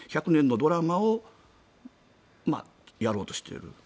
１００年のドラマをやろうとしている。